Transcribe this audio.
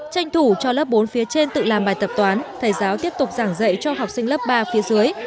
tranh thủ cho lớp bốn phía trên tự làm bài tập toán thầy giáo tiếp tục giảng dạy cho học sinh lớp ba phía dưới